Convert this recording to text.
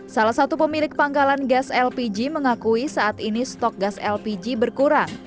salah satu pemilik pangkalan gas lpg mengakui saat ini stok gas lpg berkurang